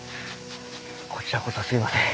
こちらこそすいません。